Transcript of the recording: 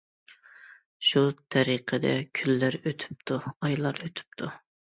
شۇ تەرىقىدە كۈنلەر ئۆتۈپتۇ، ئايلار ئۆتۈپتۇ.